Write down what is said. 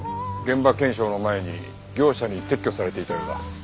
現場検証の前に業者に撤去されていたようだ。